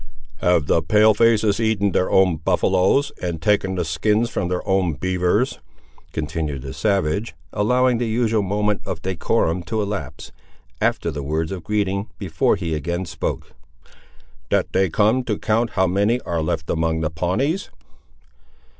"Have the pale faces eaten their own buffaloes, and taken the skins from all their own beavers," continued the savage, allowing the usual moment of decorum to elapse, after the words of greeting, before he again spoke, "that they come to count how many are left among the Pawnees?"